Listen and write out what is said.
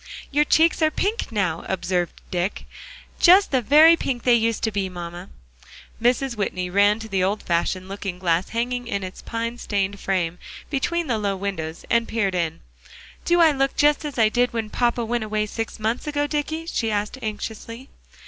"Your cheeks are pink now," observed Dick; "just the very pink they used to be, mamma." Mrs. Whitney ran to the old fashioned looking glass hanging in its pine stained frame, between the low windows, and peered in. "Do I look just as I did when papa went away six months ago, Dicky?" she asked, anxiously.